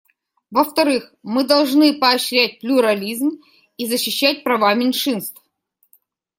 Во-вторых, мы должны поощрять плюрализм и защищать права меньшинств.